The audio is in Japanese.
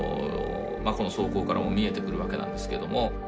この草稿からも見えてくるわけなんですけども。